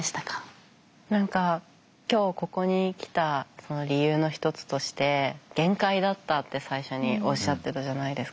何か今日ここに来た理由の一つとして「限界だった」って最初におっしゃってたじゃないですか。